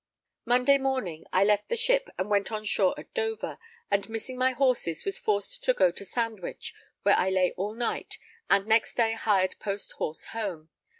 Monday morning I left the ship and went on shore at Dover, and missing my horses was forced to go to Sandwich, where I lay all night, and next day hired post horse home.